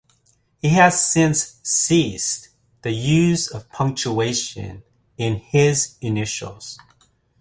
He has since ceased the use of punctuation in his initials.